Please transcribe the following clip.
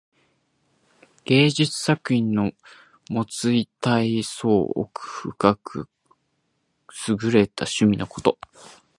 芸術作品のもつたいそう奥深くすぐれた趣のこと。